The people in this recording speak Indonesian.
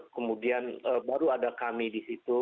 kemudian baru ada kami di situ